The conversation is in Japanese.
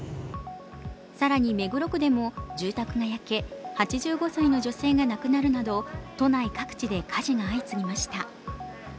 更に目黒区でも住宅が焼け、８５歳の女性が亡くなるなど都内各地で火事が相次ぎました。